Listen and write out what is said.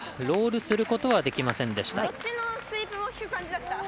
ロールすることはできませんでした。